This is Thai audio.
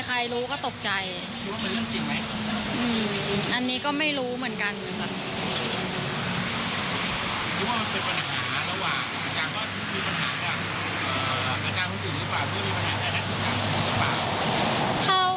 ไม่มีปัญหากับอาจารย์คนอื่นหรือเปล่า